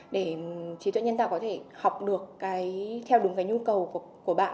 để trí tuệ nhân tạo có thể học được theo đúng cái nhu cầu của bạn